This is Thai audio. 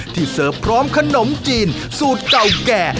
เสิร์ฟพร้อมขนมจีนสูตรเก่าแก่